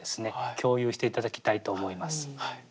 共有して頂きたいと思います。